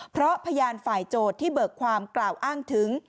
เพราะพยานฝ่ายโจทย์ที่เบิกความกล่าวอ้างถึง